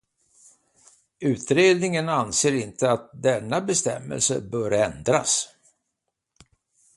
Utredningen anser inte att denna bestämmelse bör ändras.